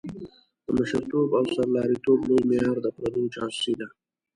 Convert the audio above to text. د مشرتوب او سرلاري توب لوی معیار د پردو جاسوسي ده.